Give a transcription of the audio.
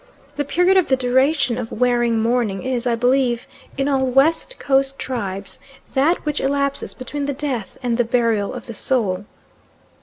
The period of the duration of wearing mourning is, I believe, in all West Coast tribes that which elapses between the death and the burial of the soul.